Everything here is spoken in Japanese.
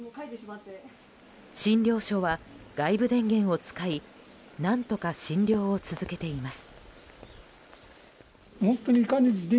診療所は外部電源を使い何とか診療を続けています。